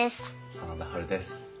真田ハルです。